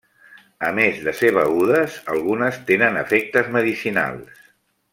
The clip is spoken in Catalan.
A més de ser begudes algunes tenen efectes medicinals.